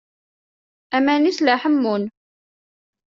Aman-is la ḥemmun.